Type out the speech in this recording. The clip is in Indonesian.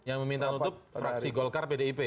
yang meminta tutup fraksi golkar pdip